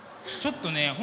ちょっとね